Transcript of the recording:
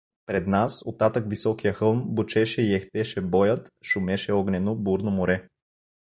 Пред нас, оттатък високия хълм, бучеше и ехтеше боят, шумеше огнено, бурно море.